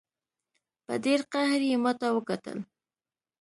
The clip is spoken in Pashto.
په ډېر قهر یې ماته وکتل.